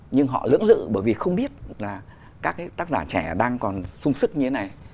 nhưng họ lưỡng lự bởi vì không biết là các cái tác giả trẻ đang còn sung sức như thế này